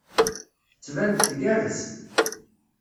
Tettban-d tgerrez.